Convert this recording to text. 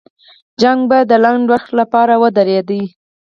جګړه به د لنډ وخت لپاره ودرېده.